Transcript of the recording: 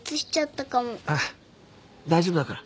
あっ大丈夫だから。